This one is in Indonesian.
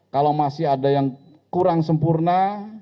kalau masih ada yang kurang sempurna